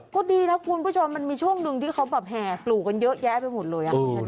ก็ดีนะคุณผู้ชมมันมีช่วงหนึ่งที่เขาแบบแห่ปลูกกันเยอะแยะไปหมดเลย